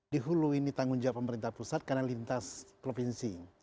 di hulu ini tanggung jawab pemerintah pusat karena lintas provinsi